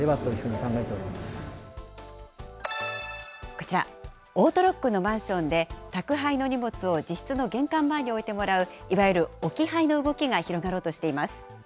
こちら、オートロックのマンションで、宅配の荷物を自室の玄関前に置いてもらう、いわゆる置き配の動きが広がろうとしています。